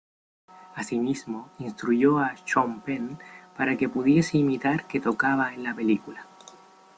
Asimismo, instruyó a Sean Penn, para que pudiese imitar que tocaba en la película.